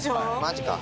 マジか。